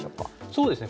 そうですね。